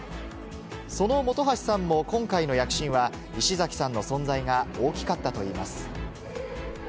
その本橋さんも、今回の躍進は、石崎さんの存在が大きかったと言います。